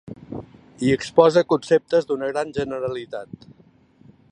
Hi exposa conceptes d'una gran generalitat.